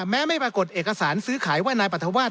ไม่ปรากฏเอกสารซื้อขายว่านายปรัฐวาส